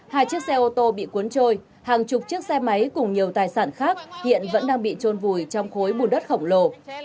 hai chiếc xe ô tô bị cuốn trôi hàng chục chiếc xe máy cùng nhiều tài sản khác hiện vẫn đang bị trôn vùi trong khối bùn đất khổng lồ